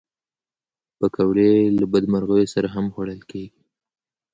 پکورې له بدمرغیو سره هم خوړل کېږي